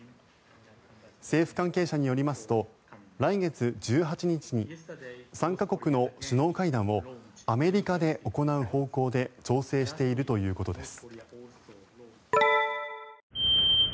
政府関係者によりますと来月１８日に３か国の首脳会談をアメリカで行う方向で調整しているということです。